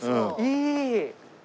いい！